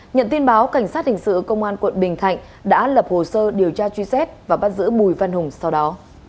nhận tin báo cảnh sát hình sự công an quận bình thạnh đã lập hồ sơ điều tra truy xét và bắt giữ bùi văn hùng sau đó